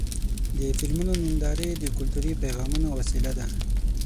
د فلمونو نندارې د کلتوري پیغامونو وسیله ده.